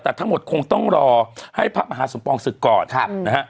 แต่ทั้งหมดคงต้องรอให้พระมหาสมปองศึกก่อนนะฮะ